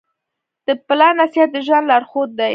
د پلار نصیحت د ژوند لارښود دی.